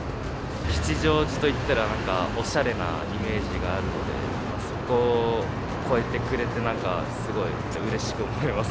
吉祥寺といったらなんかおしゃれなイメージがあるので、そこを超えてくれて、すごいうれしく思います。